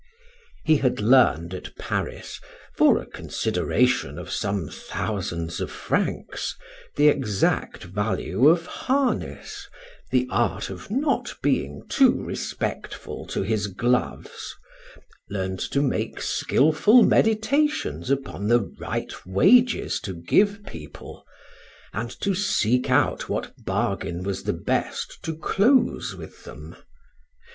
He had learned at Paris, for a consideration of some thousands of francs, the exact value of harness, the art of not being too respectful to his gloves, learned to make skilful meditations upon the right wages to give people, and to seek out what bargain was the best to close with them.